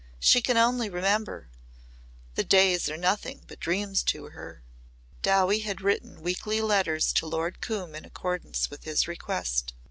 She can only remember. The days are nothing but dreams to her." Dowie had written weekly letters to Lord Coombe in accordance with his request.